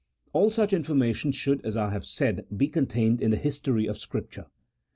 All such information should, as I have said, be contained in the " history " of Scripture.